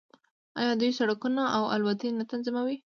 آیا دوی سړکونه او الوتنې نه تنظیموي؟